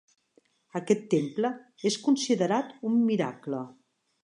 Aquest temple és considerat un miracle.